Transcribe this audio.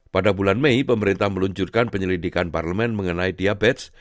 pada bulan mei pemerintah meluncurkan penyelidikan parlemen mengenai diabetes